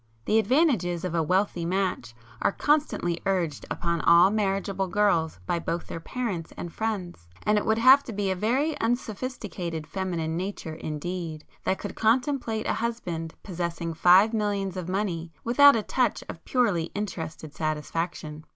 The advantages of a wealthy match are constantly urged upon all marriageable girls by both their parents and friends,—and it would have to be a very unsophisticated feminine nature indeed that could contemplate a husband possessing five millions of money, without a touch of purely interested satisfaction.